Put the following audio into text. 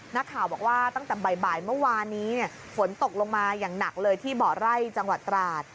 นักข่าวบอกว่าตั้งแต่บ่ายเมื่อวานนี้ฝนตกลงมาอย่างหนักเลยที่เบาะไร่จังหวัดตราด